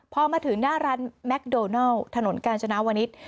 พอมาถึงหน้าร้านแมคโดนัลถนนกาญจนาวนิษฐ์